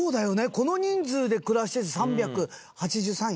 この人数で暮らしてて３８３円？